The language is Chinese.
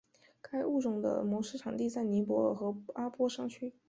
该物种的模式产地在尼泊尔和阿波山区。